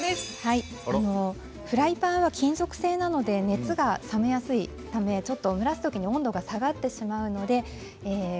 フライパンは金属製なので熱が冷めやすいので蒸らすときに温度が下がってしまいます。